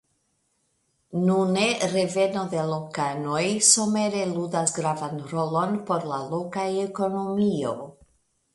Nune reveno de lokanoj somere ludas gravan rolon por la loka ekonomio.